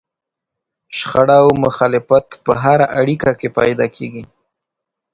شخړه او مخالفت په هره اړيکه کې پيدا کېږي.